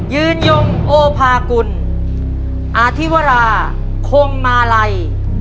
ยืนยงโอภากุลอธิวราคงมาลัย